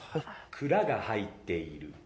倉が入っている。